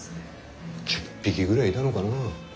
１０匹ぐらいいたのかな。